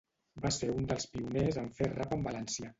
Va ser un dels pioners en fer rap en valencià.